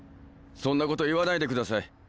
そんなこと言わないで下さい。